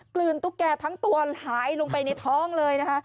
ลืนตุ๊กแก่ทั้งตัวหายลงไปในท้องเลยนะคะ